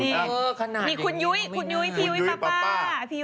มีคุณยุ้ยคุณยุ้ยพี่ยุ้ยซาป้า